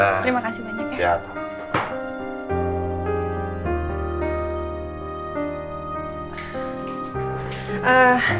terima kasih banyak ya